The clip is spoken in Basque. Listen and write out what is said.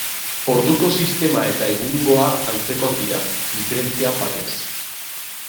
Orduko sistema eta egungoa antzekoak dira, diferentzia batez.